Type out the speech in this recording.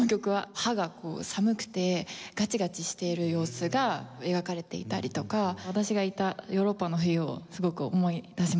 歯が寒くてガチガチしている様子が描かれていたりとか私がいたヨーロッパの冬をすごく思い出します。